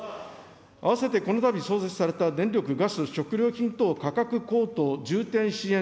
併せてこのたび創設された電力・ガス・食料品等価格高騰重点支援